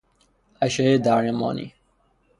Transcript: اشعه درمانی